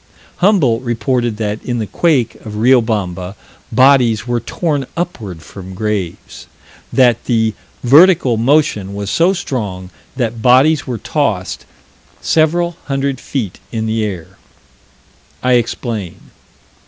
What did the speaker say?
Humboldt reported that, in the quake of Riobamba, "bodies were torn upward from graves"; that "the vertical motion was so strong that bodies were tossed several hundred feet in the air." I explain.